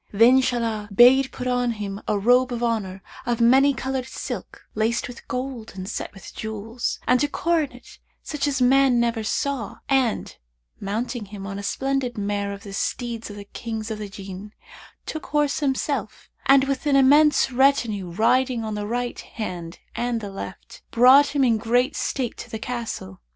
Then Shahlan bade put on him a robe of honour of many coloured silk, laced with gold and set with jewels, and a coronet such as man never saw, and, mounting him on a splendid mare of the steeds of the Kings of the Jinn, took horse himself and, with an immense retinue riding on the right hand and the left, brought him in great state to the Castle.